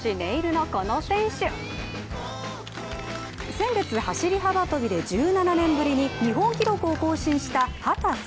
先月、走り幅跳びで１７年ぶりに日本記録を更新した秦澄